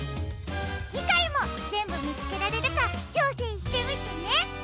じかいもぜんぶみつけられるかちょうせんしてみてね！